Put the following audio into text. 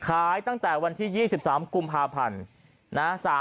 ขายตั้งแต่วันที่๒๓กุมภาพันธ์นะ